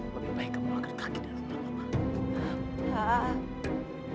lebih baik kamu agak kaget dan unggah pak